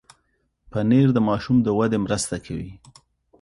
پنېر د ماشوم د ودې مرسته کوي.